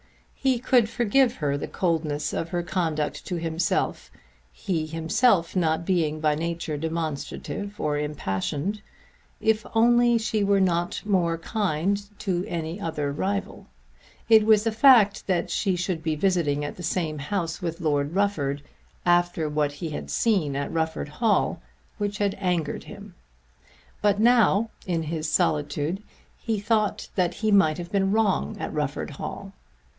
He could forgive the coldness of her conduct to himself he himself not being by nature demonstrative or impassioned, if only she were not more kind to any rival. It was the fact that she should be visiting at the same house with Lord Rufford after what he had seen at Rufford Hall which had angered him. But now in his solitude he thought that he might have been wrong at Rufford Hall.